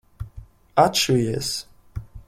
Atšujies!